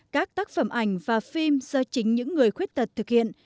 các tác phẩm ảnh và phim do chính những người khuyết tật thực hiện